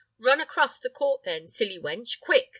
Run across the court, then, silly wench, quick!